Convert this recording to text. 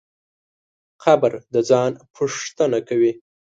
قبر د ځان پوښتنه کوي.